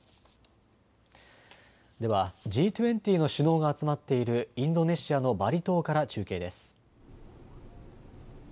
ではＧ２０の首脳が集まっているインドネシアのバリ島から中継です。